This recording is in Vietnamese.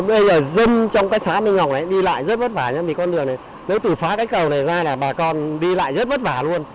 bây giờ dân trong cái xã minh ngọc này đi lại rất vất vả nhé vì con đường này nếu tử phá cái cầu này ra là bà con đi lại rất vất vả luôn